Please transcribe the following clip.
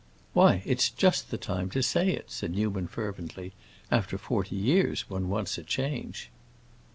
"Why, it's just the time to say it," said Newman, fervently. "After forty years one wants a change."